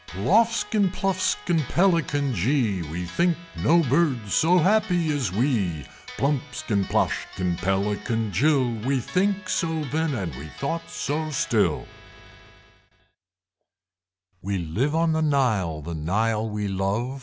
Ploffskin, Pluffskin, Pelican jee! We think no Birds so happy as we! Plumpskin, Ploshkin, Pelican Jill! We think so then, and we thought so still We live on the Nile. The Nile we love.